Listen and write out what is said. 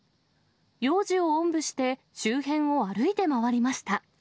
幼児をおんぶして、周辺を歩いて回りました。